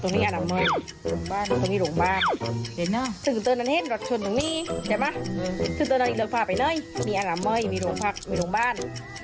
มีอาหารเมื่อยมีโรงพักษณ์มีโรงบ้าน